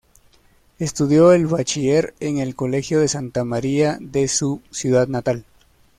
Estudió el bachiller en el Colegio de Santa María de su ciudad natal.